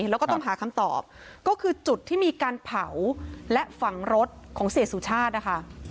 แล้วก็ต้องหาคำตอบก็คือจุดที่มีการเผาและฝังรถของเสียสุชาตินะคะ